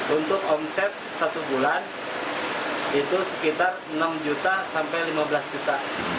untuk omset satu bulan itu sekitar enam juta sampai lima belas juta